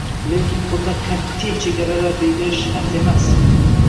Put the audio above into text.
Lekin o‘ta “qat’iy” chegaralar belgilash shart emas.